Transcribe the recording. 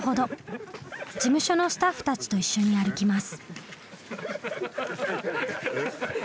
事務所のスタッフたちと一緒に歩きます。